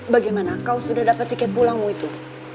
bagaimana kau sudah dapat tiket pulangmu itu